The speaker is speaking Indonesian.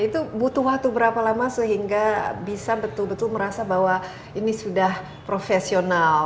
itu butuh waktu berapa lama sehingga bisa betul betul merasa bahwa ini sudah profesional